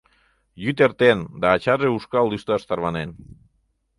Йӱд эртен, да ачаже ушкал лӱшташ тарванен.